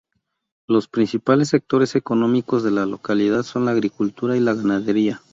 Los principales sectores económicos de la localidad son la agricultura y la ganadería.